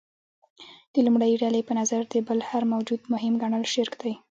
د لومړۍ ډلې په نظر د بل هر موجود مهم ګڼل شرک دی.